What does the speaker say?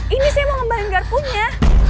ini saya mau ngembahin garpunya